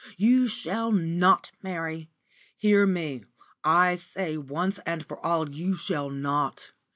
You shall not marry. Hear me, I say, once and for all, you shall not.